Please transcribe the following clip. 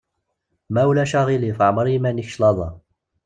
Ma ulac aɣilif ɛemmeṛ i yiman-ik claḍa.